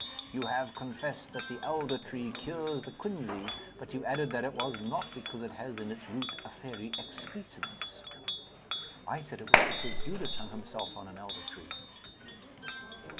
"You have confessed that the elder tree cures the quinsy, but you added that it was not because it has in its root a fairy excrescence." "I said it was because Judas hung himself on an elder tree."